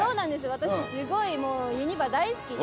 「私すごいユニバ大好きで」